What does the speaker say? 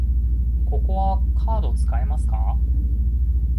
ここはカード使えますか？